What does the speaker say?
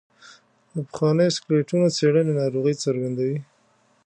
د پخوانیو سکلیټونو څېړنې ناروغۍ څرګندوي.